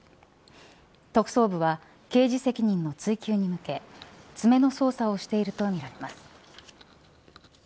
特捜部は刑事責任の追及に向け詰めの捜査をしているとみられます。